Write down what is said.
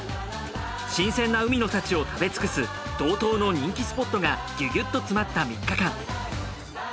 新鮮な海の幸を食べ尽くす道東の人気スポットがギュギュッと詰まった３日間。